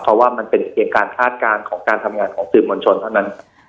เพราะว่ามันเป็นเพียงการคาดการณ์ของการทำงานของสื่อมวลชนเท่านั้น